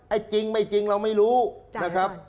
จริงไม่จริงเราไม่รู้นะครับ